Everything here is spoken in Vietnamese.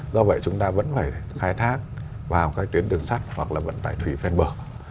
do vậy chúng ta vẫn phải khai thác vào tuyến đường sắt hoặc vận tải thủy ven bờ